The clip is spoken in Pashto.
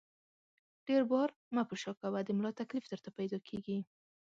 ډېر بار مه په شا کوه ، د ملا تکلیف درته پیدا کېږي!